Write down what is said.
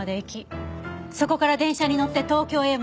そこから電車に乗って東京へ戻った。